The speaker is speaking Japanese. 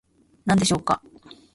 何でしょうか